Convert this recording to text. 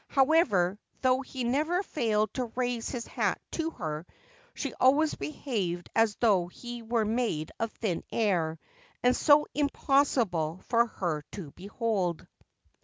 However, though he never failed to raise his hat to her, she always behaved as though he were made of thin air and so impossible for her to behold.